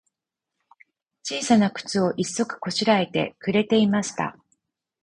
ちいさなくつを、一足こしらえてくれていました。